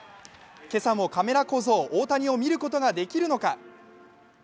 今朝もカメラ小僧・大谷を見ることができるのか。